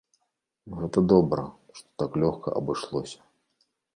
Гэта добра, што так лёгка абышлося.